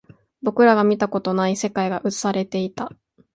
僕らが見たことがない世界が映されていた